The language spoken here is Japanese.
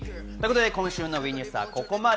今週のＷＥニュースはここまで。